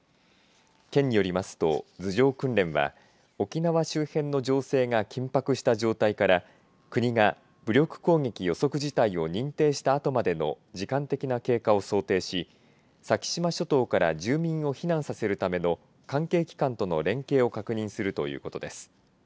県によりますと、図上訓練は沖縄周辺の情勢が緊迫した状態から国が武力攻撃予測事態を認定したあとまでの時間的な経過を想定し先島諸島から住民を避難させるための関係機関との連携を確認するということです。